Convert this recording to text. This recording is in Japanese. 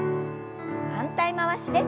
反対回しです。